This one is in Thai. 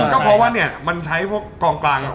ก็เพราะว่าเนี่ยมันใช้พวกกองกลาง